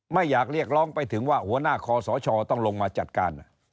ไม่อยากเรียกร้องไปถึงว่าหัวหน้าคอสชต้องลงมาจัดการ